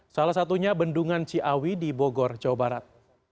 salah satunya bendungan ciawi di bogor jawa barat